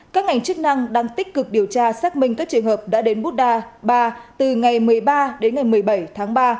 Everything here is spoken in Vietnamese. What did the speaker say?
các ngành chức năng đang tích cực điều tra xác minh các trường hợp đã đến buddar ba từ ngày một mươi ba đến ngày một mươi bảy tháng ba